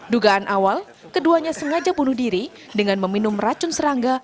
dugaan awal keduanya sengaja bunuh diri dengan meminum racun serangga